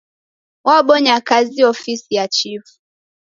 Wabonya kazi ofisi ya chifu.